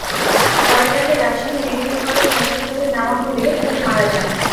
পরে তাঁকে Rajshahi medical college হাসপাতালে নেওয়া হলে তিনি মারা যান।